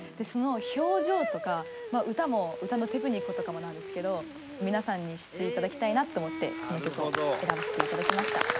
その表情とか、歌のテクニックとかもなんですけど皆さんに知っていただきたいなと思ってこの曲を選ばせていただきました。